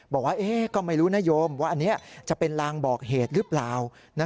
บอกว่าก็ไม่รู้นะโยมว่าอันนี้จะเป็นลางบอกเหตุหรือเปล่า